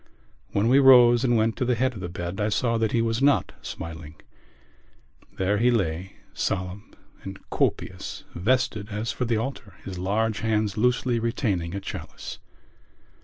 When we rose and went up to the head of the bed I saw that he was not smiling. There he lay, solemn and copious, vested as for the altar, his large hands loosely retaining a chalice.